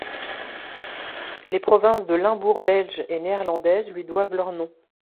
Les provinces de Limbourg belge et néerlandaise lui doivent leur nom.